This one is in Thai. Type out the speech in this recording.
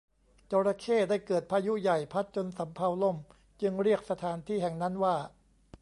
จระเข้ได้เกิดพายุใหญ่พัดจนสำเภาล่มจึงเรียกสถานที่แห่งนั้นว่า